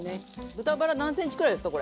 豚バラ何センチくらいですか？